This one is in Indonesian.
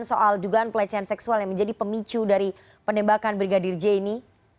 soal dugaan pelecehan seksual yang menjadi pemicu dari penembakan brigadir j ini